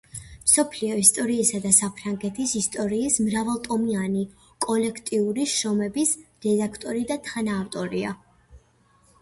მსოფლიო ისტორიისა და საფრანგეთის ისტორიის მრავალტომიანი კოლექტიური შრომების რედაქტორი და თანაავტორი.